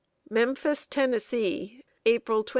] MEMPHIS, TENNESSEE, April 20.